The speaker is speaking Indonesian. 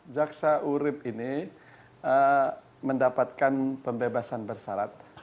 jaksa urib ini mendapatkan pembebasan bersarat